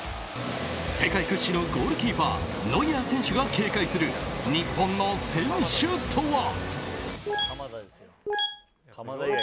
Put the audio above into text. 世界屈指のゴールキーパーノイアー選手が警戒する日本の選手とは。